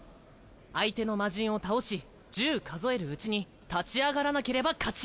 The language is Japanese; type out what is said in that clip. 相手のマジンを倒し１０数えるうちに立ち上がらなければ勝ち！